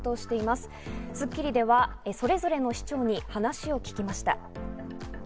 『スッキリ』ではそれぞれの市長に話を聞きました。